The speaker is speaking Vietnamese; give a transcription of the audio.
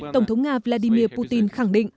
tổng thống nga vladimir putin khẳng định